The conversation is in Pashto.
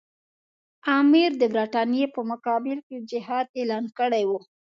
امیر د برټانیې په مقابل کې جهاد اعلان کړی وو.